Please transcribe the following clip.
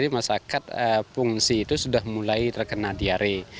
masyarakat pengungsi itu sudah mulai terkena diare